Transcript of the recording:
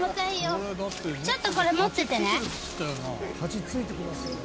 ちょっとこれ持っててね。